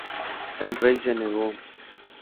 El rey se negó.